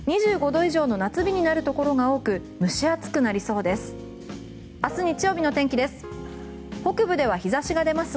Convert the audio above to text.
２５度以上の夏日になるところが多く蒸し暑くなりそうです。